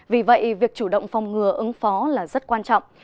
vì vậy việc chủ động phòng ngừa ứng phó là rất quan trọng